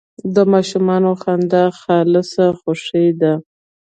د ماشوم خندا خالصه خوښي ده.